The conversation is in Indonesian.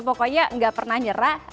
pokoknya gak pernah nyerah